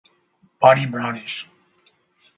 Body brownish.